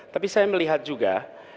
tapi saya melihat juga